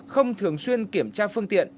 không thường xuyên kiểm tra phương tiện